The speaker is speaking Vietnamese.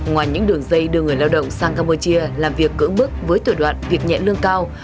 ngoài những đường dây đưa người lao động sang campuchia làm việc cỡ bức với tuổi đoạn việc nhẹ lương cao